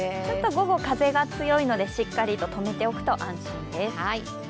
午後、風が強いので、しっかりと止めておくと安心です。